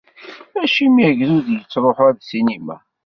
Acimi agdud yettṛuhu ar ssinima?